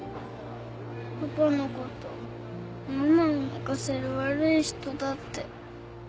パパのことママを泣かせる悪い人だって。